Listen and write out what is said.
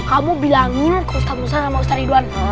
kamu bilangin ke ustadz musta sama ustadz ridwan